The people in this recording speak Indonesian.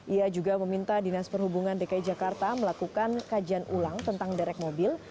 ia juga meminta dinas perhubungan dki jakarta melakukan kajian ulang tentang derek mobil